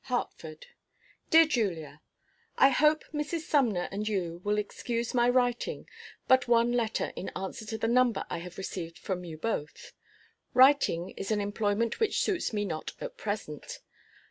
HARTFORD. Dear Julia: I hope Mrs. Sumner and you will excuse my writing but one letter in answer to the number I have received from you both. Writing is an employment which suits me not at present.